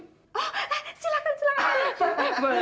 oh eh silakan silakan